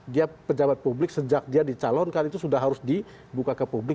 dia pejabat publik sejak dia dicalonkan itu sudah harus dibuka ke publik